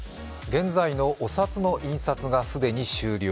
現在のお札の印刷が既に終了。